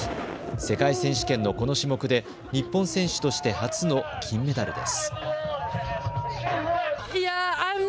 世界選手権のこの種目で日本選手として初の金メダルです。